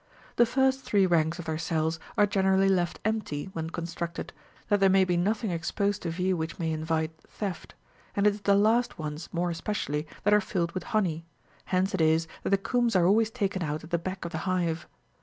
The first three ranks of their cells are gene rally left empty when constructed, that there may be nothing exposed to view which may invite theft ; and it is the last ones, more especially, that are filled with honey : hence it is that the combs are always taken out at the back of the hive.